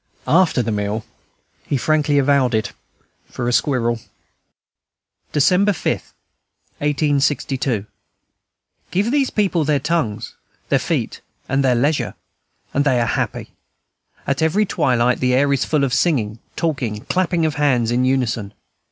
After the meal he frankly avowed it for a squirrel. December 5, 1862. Give these people their tongues, their feet, and their leisure, and they are happy. At every twilight the air is full of singing, talking, and clapping of hands in unison.